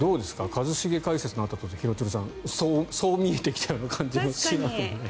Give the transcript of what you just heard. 一茂解説のあとだと廣津留さんそう見えてきたような感じもしますが。